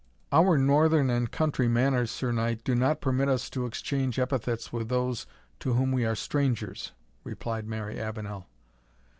"Our northern and country manners, Sir Knight, do not permit us to exchange epithets with those to whom we are strangers," replied Mary Avenel.